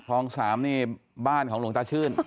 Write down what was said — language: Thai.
คลอง๓นี่บ้านของหลวงตาชื่น